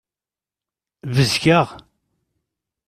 Bezgeɣ.